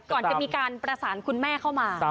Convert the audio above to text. ก่อนจะมีการประสานคุณแม่เข้ามา